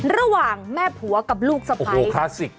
ระหว่างแม่ผัวกับลูกสะพ้าย